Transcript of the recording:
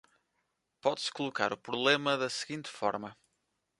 Pode-se colocar o problema da seguinte forma